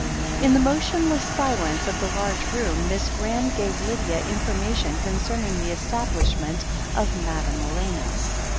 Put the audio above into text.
In the motionless silence of the large room Miss Graham gave Lydia information concerning the estab lishment of Madame Elena.